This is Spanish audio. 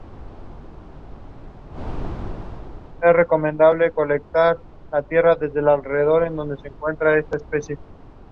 Algunos idiomas y textos pueden presentar ciertos problemas en su transliteración.